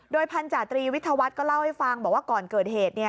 พันธาตรีวิทยาวัฒน์ก็เล่าให้ฟังบอกว่าก่อนเกิดเหตุ